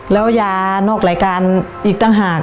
แล้วยานอกรายการอีกต่างหาก